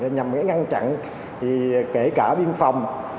nhằm ngăn chặn kể cả biên phòng